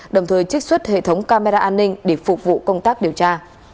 đồng thời trích xuất hệ thống camera an ninh để phục vụ công tác điều tra